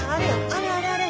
あれあれあれ！